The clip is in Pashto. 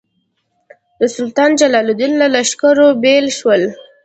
د سلطان جلال الدین له لښکرو بېل شول.